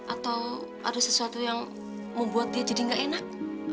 atau ada sesuatu yang membuat dia jadi nggak enak